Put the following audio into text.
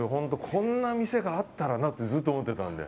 こんな店があったらなってずっと思ってたので。